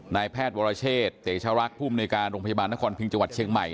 นายแพทย์วรเชษเตชรักษ์ภูมิในการโรงพยาบาลนครพิงจังหวัดเชียงใหม่